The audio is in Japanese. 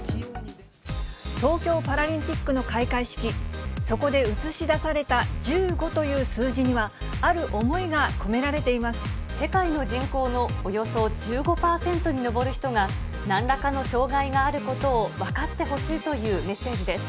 東京パラリンピックの開会式、そこで映し出された１５という数字には、ある思いが込められてい世界の人口のおよそ１５％に上る人が、なんらかの障がいがあることを分かってほしいというメッセージです。